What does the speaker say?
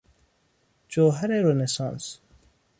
جوهر رنسانس